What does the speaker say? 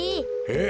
え？